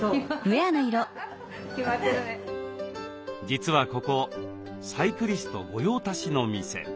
実はここサイクリスト御用達の店。